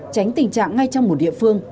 tránh tình trạng ngay trong một địa phương